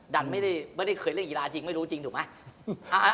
ดันไม่ได้เคยเล่นกีฬาจริงไม่รู้จริงถูกไหม